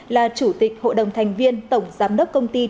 là chủ tịch hội đồng thành viên tổng giám đốc công ty trung tế